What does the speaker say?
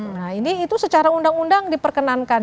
nah ini itu secara undang undang diperkenankan